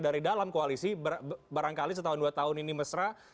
dari dalam koalisi barangkali setahun dua tahun ini mesra